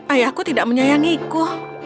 ayahku tidak menyayangiku